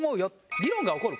議論が起こる。